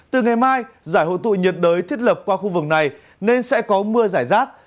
từ ngày mai giải hội tụ nhiệt đới thiết lập qua khu vực này nên sẽ có mưa giải rác